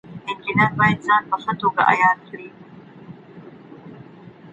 د فراغت سند په چټکۍ نه ارزول کیږي.